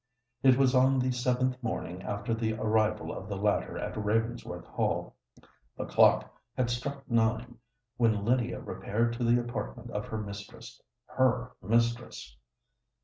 It was on the seventh morning after the arrival of the latter at Ravensworth Hall. The clock had struck nine, when Lydia repaired to the apartment of her mistress——her mistress!